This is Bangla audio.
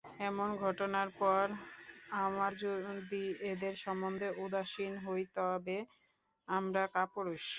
এমন ঘটনার পর আমরা যদি এঁদের সম্বন্ধে উদাসীন হই তবে আমরা কাপুরুষ।